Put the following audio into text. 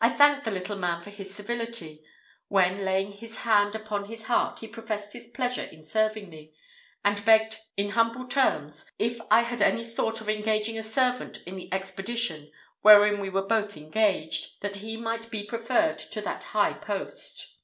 I thanked the little man for his civility; when, laying his hand upon his heart, he professed his pleasure in serving me, and begged, in humble terms, if I had any thought of engaging a servant in the expedition wherein we were both engaged, that he might be preferred to that high post.